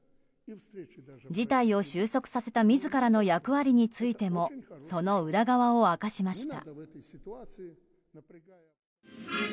事態を収束させた自らの役割についてもその裏側を明かしました。